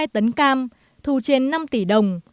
hai mươi hai tấn cam thu trên năm tỷ đồng